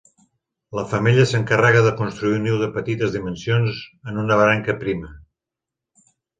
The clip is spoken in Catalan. La femella s'encarrega de construir un niu de petites dimensions en una branca prima.